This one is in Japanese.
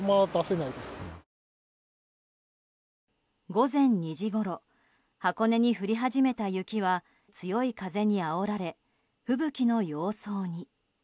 午前２時ごろ箱根に降り始めた雪は強い風にあおられ吹雪の様相に。